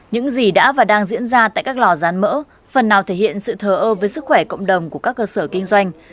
những gì đã và đang diễn ra tại các lò gián mỡ phần nào thể hiện sự thờ ơ với sức khỏe cộng đồng của các cơ sở kinh doanh